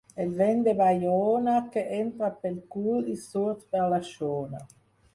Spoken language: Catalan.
El vent de Baiona, que entra pel cul i surt per la xona.